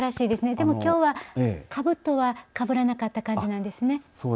でも、きょうは、かぶとはかぶらなかった感じなんですね。